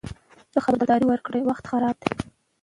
ښځه خبرداری ورکړ: وخت خراب دی.